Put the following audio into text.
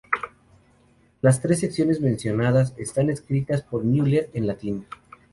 Las tres secciones mencionadas están escritas por Müller en latín.